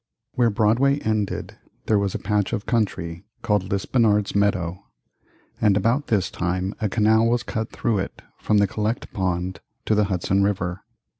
Where Broadway ended there was a patch of country called Lispenard's Meadow, and about this time a canal was cut through it from the Collect Pond to the Hudson River.